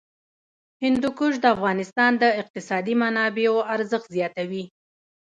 هندوکش د افغانستان د اقتصادي منابعو ارزښت زیاتوي.